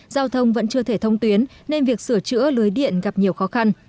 giao thông vẫn chưa thể thông tuyến nên việc sửa chữa lưới điện gặp nhiều khó khăn